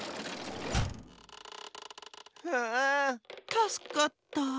たすかった。